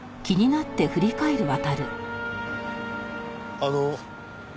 あの。